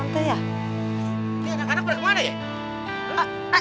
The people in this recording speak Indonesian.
nanti anak anak pada kemana ya